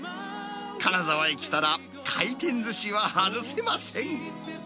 金沢へ来たら、回転ずしは外せません。